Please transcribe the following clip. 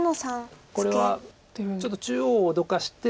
これはちょっと中央を脅かして。